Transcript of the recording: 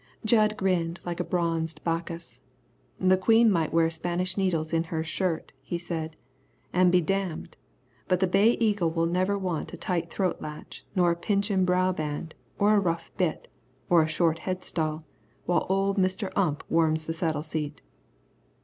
Jud grinned like a bronzed Bacchus. "The queen might wear Spanish needles in her shirt," he said, "an' be damned. But the Bay Eagle will never wear a tight throat latch or a pinchin' brow band, or a rough bit, or a short headstall, while old Mr. Ump warms the saddle seat."